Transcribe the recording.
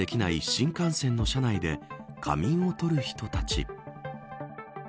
新幹線の車内で仮眠をとる人たち。